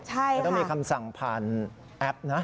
มันต้องมีคำสั่งผ่านแอปนะ